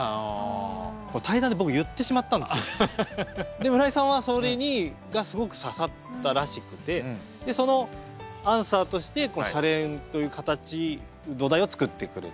で村井さんはそれがすごく刺さったらしくてそのアンサーとしてこの「シャレン！」という形土台を作ってくれたんですよね。